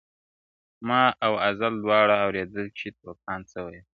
ما او ازل دواړو اورېدل چي توپان څه ویل،